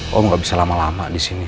kamu gak bisa lama lama disini